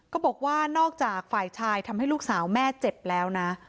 ก็บอกว่านอกจากฝ่ายชายทำให้ลูกสาวแม่เจ็บแล้วนะ